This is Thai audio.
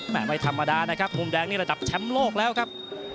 ไม่ธรรมดานะครับมุมแดงนี่ระดับแชมป์โลกแล้วครับ